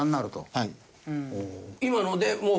はい。